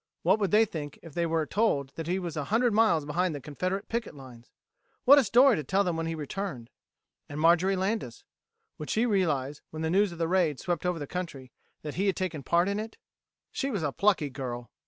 What would they think if they were told that he was a hundred miles behind the Confederate picket lines? What a story to tell them when he returned! And Marjorie Landis? Would she realize, when the news of the raid swept over the country, that he had taken part in it? She was a plucky girl!